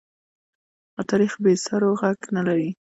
تاریخ بې سرو ږغ نه لري.